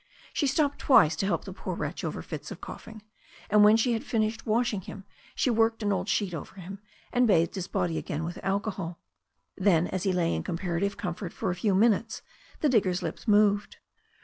She stopped twice to help the poor wretch over fits of coughing, and when she had finished washing him she worked an old sheet over him, and bathed his body again with alcohol. Then, as he lay in comparative comfort for a few minutes, the digger's lips moved.